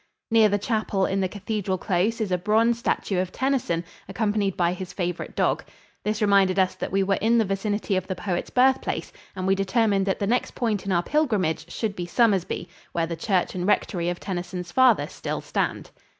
Near the chapel in the cathedral close is a bronze statue of Tennyson accompanied by his favorite dog. This reminded us that we were in the vicinity of the poet's birthplace, and we determined that the next point in our pilgrimage should be Somersby, where the church and rectory of Tennyson's father still stand.